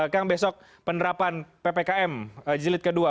kang besok penerapan ppkm jilid kedua